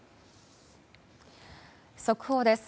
速報です。